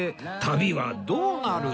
旅はどうなる？